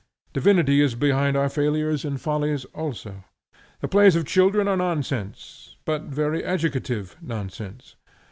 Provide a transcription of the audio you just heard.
Divinity is behind our failures and follies also. The plays of children are nonsense, but very educative nonsense.